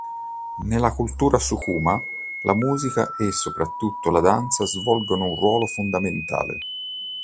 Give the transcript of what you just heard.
Nella cultura sukuma la musica e soprattutto la danza svolgono un ruolo fondamentale.